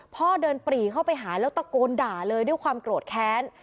พ่อเดินปรีเข้าไปหาแล้วตะโกนด่าเลยด้วยความโกรธแค้น